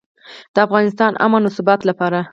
د افغانستان امن او ثبات لپاره.